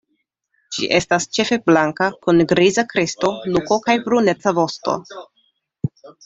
Ĝi estas ĉefe blanka, kun griza kresto, nuko kaj bruneca vosto.